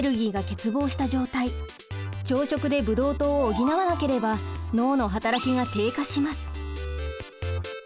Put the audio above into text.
朝食でブドウ糖を補わなければ脳の働きが低下します。